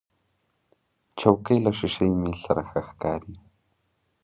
چوکۍ له شیشهيي میز سره ښه ښکاري.